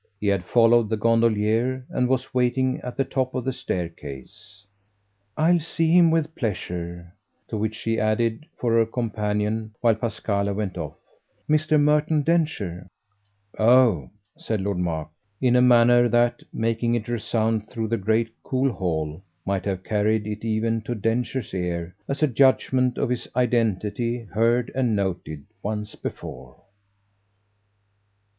He had followed the gondolier and was waiting at the top of the staircase. "I'll see him with pleasure." To which she added for her companion, while Pasquale went off: "Mr. Merton Densher." "Oh!" said Lord Mark in a manner that, making it resound through the great cool hall, might have carried it even to Densher's ear as a judgement of his identity heard and noted once before.